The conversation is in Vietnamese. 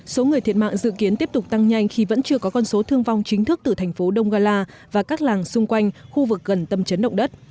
số người thiệt mạng dự kiến tiếp tục tăng nhanh khi vẫn chưa có con số thương vong chính thức từ thành phố đông gala và các làng xung quanh khu vực gần tâm chấn động đất